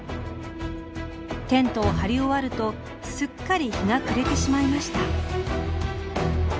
テントを張り終わるとすっかり日が暮れてしまいました。